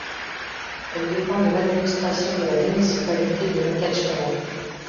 Elle dépend de l'administration de la municipalité de Makhatchkala.